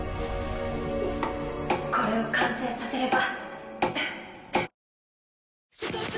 これを完成させれば。